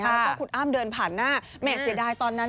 ก็คุณอ้ามเดินผ่านน่ะแหม่เศียดายตอนนั้น